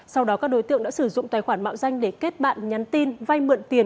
sau đó các đối tượng đã sử dụng tài khoản mạo danh để kết bạn nhắn tin vay mượn tiền